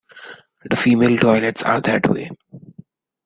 The female toilets are that way.